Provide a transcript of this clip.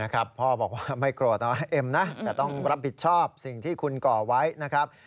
พ่อบอกว่าไม่โกรธนะเอ็มนะแต่ต้องรับผิดชอบสิ่งที่คุณก่อไว้นะครับ